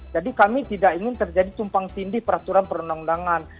jadi kami tidak ingin terjadi tumpang tindih peraturan perundang undangan